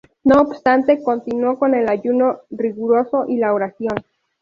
No obstante, continuó con el ayuno riguroso y la oración.